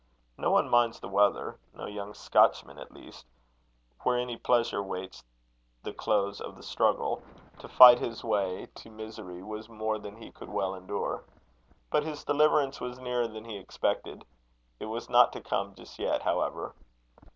No one minds the weather no young Scotchman, at least where any pleasure waits the close of the struggle: to fight his way to misery was more than he could well endure. But his deliverance was nearer than he expected. It was not to come just yet, however.